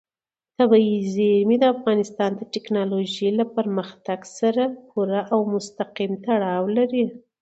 طبیعي زیرمې د افغانستان د تکنالوژۍ له پرمختګ سره پوره او مستقیم تړاو لري.